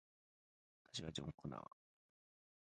私はジョン・コナー